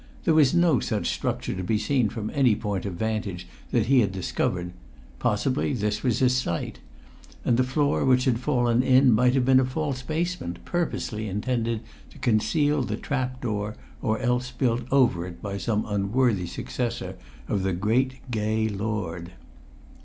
There was no such structure to be seen from any point of vantage that he had discovered; possibly this was its site; and the floor which had fallen in might have been a false basement, purposely intended to conceal the trap door, or else built over it by some unworthy successor of the great gay lord.